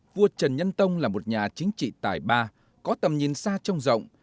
vua trần nhân tông là một nhà chính trị tài ba có tầm nhìn xa trông rộng